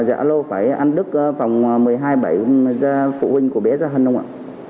dạ alo phải anh đức phòng một mươi hai bảy phụ huynh của bé gia hân không ạ